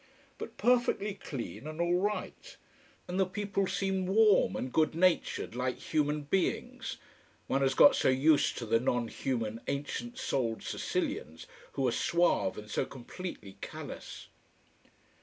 But perfectly clean and all right. And the people seemed warm and good natured, like human beings. One has got so used to the non human ancient souled Sicilians, who are suave and so completely callous.